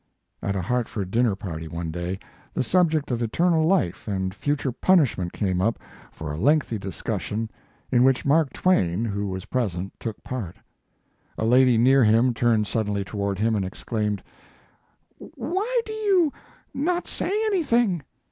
At a Hartford dinner party one day, the subject of eternal life and future punishment came up for a lengthy dis l88 Mark Twain cussion, in which Mark Twain, who was present took no part. A lady near him, turned suddenly toward him and ex claimed : "Why do you not say anything?